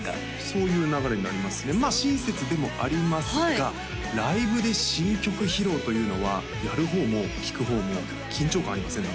そういう流れになりますねまあ親切でもありますがライブで新曲披露というのはやる方も聴く方も緊張感ありません？